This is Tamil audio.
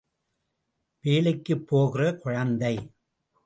வேலைக்குப் போகிற குழந்தை!